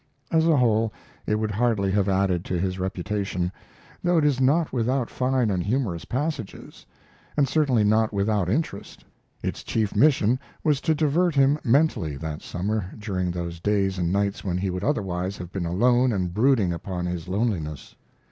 As a whole it would hardly have added to his reputation, though it is not without fine and humorous passages, and certainly not without interest. Its chief mission was to divert him mentally that summer during, those days and nights when he would otherwise have been alone and brooding upon his loneliness.